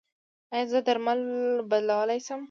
ایا زه درمل بدلولی شم؟